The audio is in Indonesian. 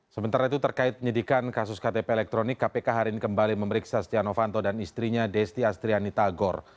sementara itu terkait penyidikan kasus ktp elektronik kpk hari ini kembali memeriksa setia novanto dan istrinya desti astriani tagor